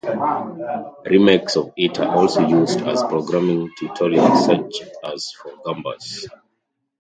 Remakes of it are also used as programming tutorials, such as for Gambas.